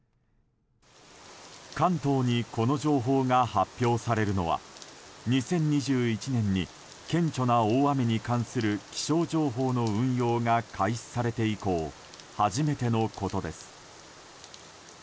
関東にこの情報が発表されるのは２０２１年に顕著な大雨に関する気象情報の運用が開始されて以降初めてのことです。